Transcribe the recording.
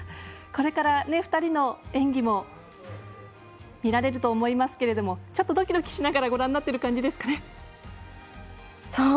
これから２人の演技も見られると思いますけれどもちょっと、ドキドキしながらご覧になっている感じですかね。